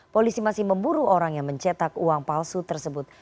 polisi masih memburu orang yang mencetak uang palsu tersebut